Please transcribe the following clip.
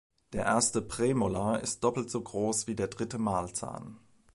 Der erste Prämolar ist doppelt so groß wie der dritte Mahlzahn.